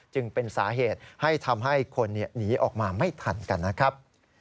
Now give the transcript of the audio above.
จึงเป็นสาเหตุให้ทำให้คนหนีออกมาไม่ทันกันนะครับ